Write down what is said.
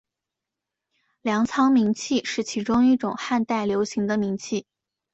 粮仓明器是其中一种汉代流行的明器。